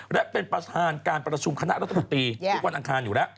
และเป็นประธานการประชุมคณะรัฐมนตรีทุกวันอังคารอยู่แล้ว